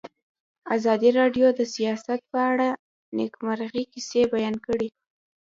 ازادي راډیو د سیاست په اړه د نېکمرغۍ کیسې بیان کړې.